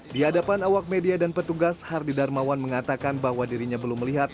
di hadapan awak media dan petugas hardy darmawan mengatakan bahwa dirinya belum melihat